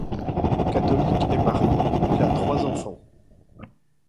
Catholique et marié, il a trois enfants.